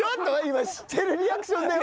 今知ってるリアクションだよ！